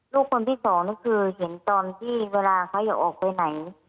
ลูกคนที่สองนี่คือเห็นตอนที่เวลาเขาอย่าออกไปไหน